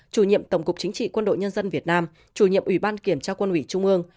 chủ nhiệm tổng cục chính trị quân đội nhân dân việt nam chủ nhiệm ủy ban kiểm tra quân ủy trung ương